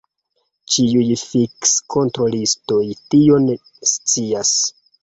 Ĉiuj fisk-kontrolistoj tion scias.